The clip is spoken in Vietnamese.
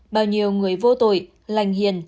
bao nhiêu người vô tội lành hiền